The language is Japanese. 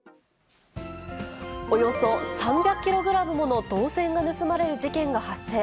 およそ３００キログラムもの銅線が盗まれる事件が発生。